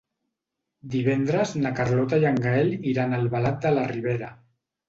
Divendres na Carlota i en Gaël iran a Albalat de la Ribera.